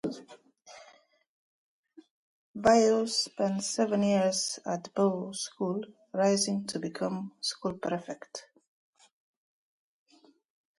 Bio spent seven years at Bo School, rising to become school Prefect.